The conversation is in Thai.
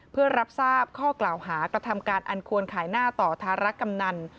เพื่อรับทราบข้อกล่าวหากระทำการอันควรขายหน้าต่อธารกำนัน